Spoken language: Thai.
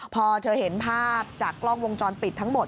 พอเธอเห็นภาพจากกล้องวงจรปิดทั้งหมด